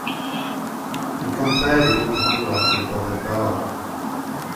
He compared it with the handwriting upon the card.